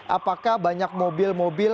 apakah banyak mobil